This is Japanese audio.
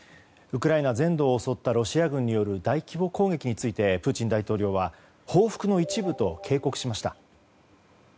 ウクライナ全土を襲ったロシア軍による大規模攻撃についてプーチン大統領は報復の一部と警告しました。